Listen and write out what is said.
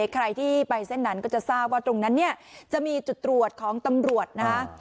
ใครที่ไปเส้นนั้นก็จะทราบว่าตรงนั้นเนี่ยจะมีจุดตรวจของตำรวจนะฮะ